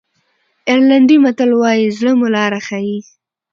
آیرلېنډي متل وایي زړه مو لاره ښیي.